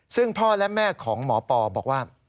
ซึ่งพ่อและแม่ของหมอปอบอกว่า